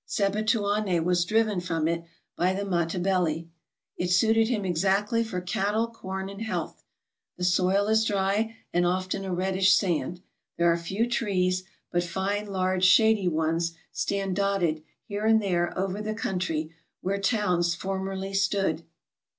Sebituane was driven from it by the Matebele. It suited him exactly for cattle, corn, and health. The soil is dry, and often a reddish sand ; there are few trees, but fine large shady ones stand dotted here and there 390 TRAVELERS AND EXPLORERS over the country where towns formerly stood.